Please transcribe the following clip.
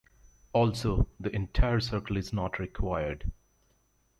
Also, the entire circle is not required.